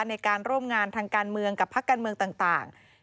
ในการร่วมงานทางการเมืองกับพักการเมืองต่าง